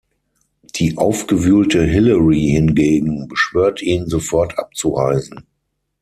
Die aufgewühlte Hilary hingegen beschwört ihn, sofort abzureisen.